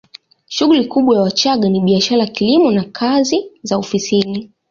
Shughuli kubwa ya Wachagga ni biashara kilimo na kazi za ofisini